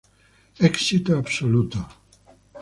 Éxito absoluto.